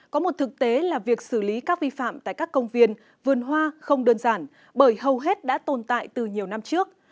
có một thực tế là việc xử lý các vi phạm tại các công viên vườn hoa không đơn giản bởi hầu hết đã tồn tại từ nhiều năm trước